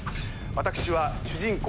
私は主人公